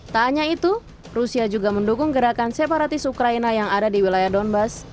tak hanya itu rusia juga mendukung gerakan separatis ukraina yang ada di wilayah donbass